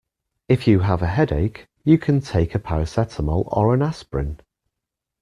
If you have a headache, you can take a paracetamol or an aspirin